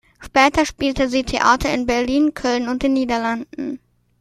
Später spielte sie Theater in Berlin, Köln und den Niederlanden.